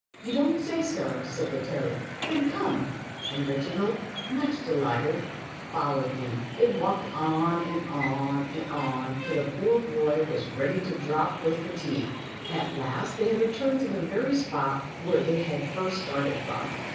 "You don't say so," said the toad; "then cojue," and Reginald, much delighted, followed him. They walked on and on and on, till the poor boy was ready to drop with fatigue. At last they returned to the very spot where they had first started from.